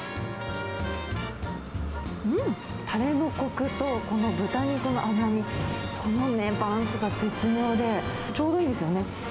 うん、たれのこくとこの豚肉の脂身、このバランスが絶妙で、ちょうどいいんですよね。